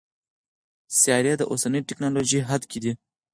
سیارې د اوسني ټکنالوژۍ حد کې دي.